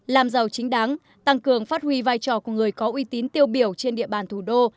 làm giàu chính đáng tăng cường phát huy vai trò của người có uy tín tiêu biểu trên địa bàn thủ đô